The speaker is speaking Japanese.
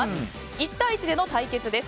１対１での対決です。